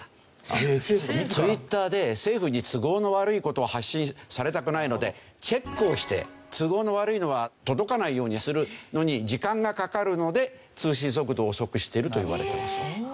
ツイッターで政府に都合の悪い事を発信されたくないのでチェックをして都合の悪いのは届かないようにするのに時間がかかるので通信速度を遅くしてるといわれてます。